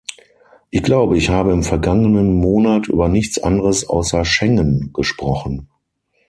Ich glaube, ich habe im vergangenen Monat über nichts anderes außer Schengen gesprochen!